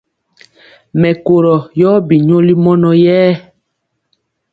Mɛkorɔ yɔ bi nyoli mɔnɔ yɛ.